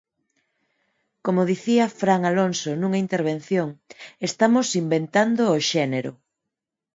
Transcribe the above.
Como dicía Fran Alonso nunha intervención, estamos inventando o xénero.